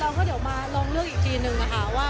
ว่าเดี๋ยวมาลองเลือกอีกทีนึงนะคะว่า